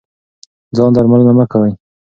ځان درملنه مه کوئ.